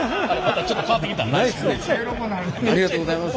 ありがとうございます。